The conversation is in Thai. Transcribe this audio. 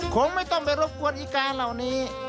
คงไม่ต้องไปรบกวนอีกาเหล่านี้